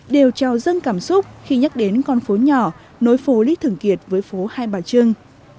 đều trào dâng cảm xúc khi nhắc đến con phố nhỏ nối phố lý thường kiệt với phố hai bà trưng